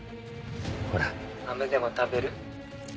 ほらアメでも食べる？